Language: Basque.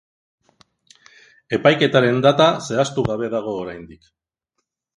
Epaiketaren data zehaztu gabe dago oraindik.